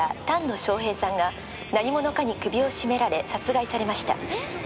丹野翔平さんが何者かに首を絞められ殺害されました」